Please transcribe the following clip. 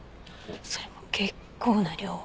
それも結構な量を。